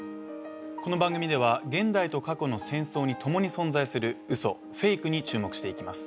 この番組では現代と過去の戦争にともに存在する嘘フェイクに注目していきます